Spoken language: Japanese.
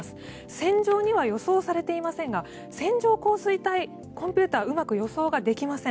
線状には予想されていませんが線状降水帯はコンピューターはうまく予想ができません。